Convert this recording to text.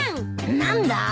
何だ？